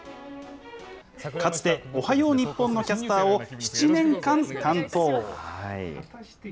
かつて、おはよう日本のキャスターを７年間担当。